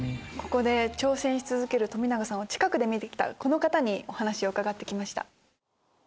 挑戦し続ける冨永さんを近くで見てきたこの方にお話を伺ってきました。